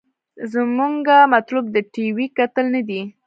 زمونګه مطلوب د ټي وي کتل نه دې.